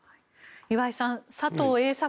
岩井さん佐藤栄作